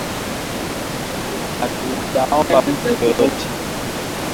Hatujaomba mtu yeyote